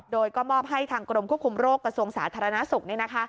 โดยก็มอบให้ทางกรมควบคุมโรคกระทรวงสาธารณสุข